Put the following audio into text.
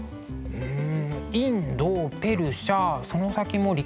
うん。